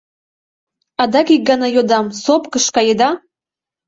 Адак ик гана йодам: сопкыш каеда?